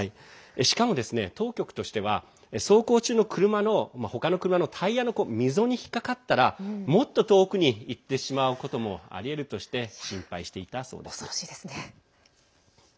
しかも、当局としては走行中の他の車のタイヤの溝に引っ掛かったらもっと遠くに行ってしまうこともありえるとして恐ろしいですね。